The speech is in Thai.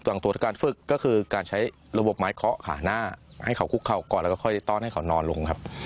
ส่วนตัวการฝึกก็คือการใช้ระบบไม้เคาะขาหน้าให้เขาคุกเข่าก่อนแล้วก็ค่อยต้อนให้เขานอนลงครับ